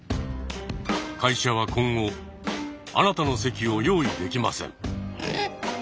会社は今後あなたの席を用意できません。